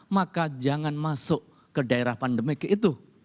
maka jangan masuk ke daerah pandemik itu